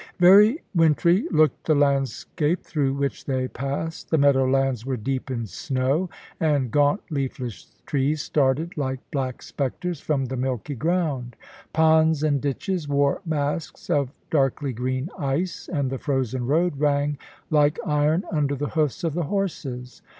Very wintry looked the landscape through which they passed. The meadow lands were deep in snow, and gaunt, leafless trees started like black spectres from the milky ground. Ponds and ditches wore masks of darkly green ice, and the frozen road rang like iron under the hoofs of the horses.